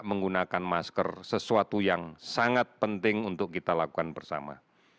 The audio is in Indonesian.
menggunakan masker sesuatu yang sangat penting untuk kita lakukan bersama